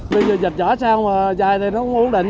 bây giờ giặt giỏ sao mà dài này nó không ổn định